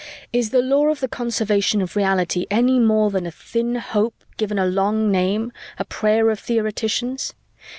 Is the law of the Conservation of Reality any more than a thin hope given a long name, a prayer of theoreticians?